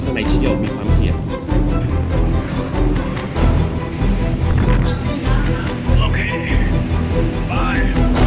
โปรดติดตามตอนต่อไป